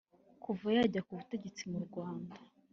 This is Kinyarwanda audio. kuva yajya ku butegetsi mu Rwanda